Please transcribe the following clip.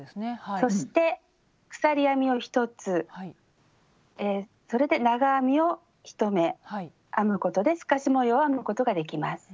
そして鎖編みを１つそれで長編みを１目編むことで透かし模様を編むことができます。